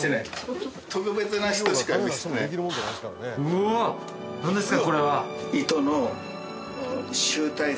うわっ何ですか？